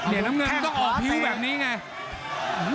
นี่น้ำเงินมันต้องออกผิวแบบนี้ไง